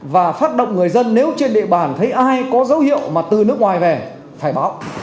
và phát động người dân nếu trên địa bàn thấy ai có dấu hiệu mà từ nước ngoài về phải báo